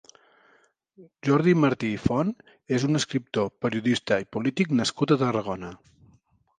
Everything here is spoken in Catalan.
Jordi Martí i Font és un escriptor, periodista i polític nascut a Tarragona.